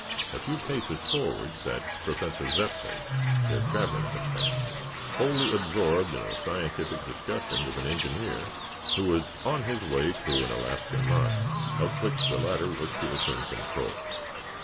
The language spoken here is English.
A few paces forward sat Professor Zepplin, their traveling companion, wholly absorbed in a scientific discussion with an engineer who was on his way to an Alaskan mine, of which the latter was to assume control.